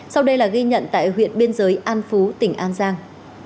sau đây là ghi nhận tại huyện biên giới an phú tỉnh an giang